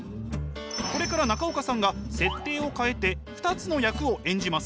これから中岡さんが設定を変えて２つの役を演じます。